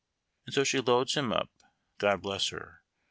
td'so she lolds him up God bless her